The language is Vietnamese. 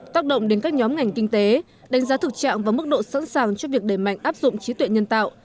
tác động đến các nhóm ngành kinh tế đánh giá thực trạng và mức độ sẵn sàng cho việc đẩy mạnh áp dụng trí tuệ nhân tạo